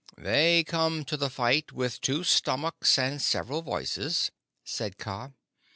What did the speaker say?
"They come to the fight with two stomachs and several voices," said Kaa.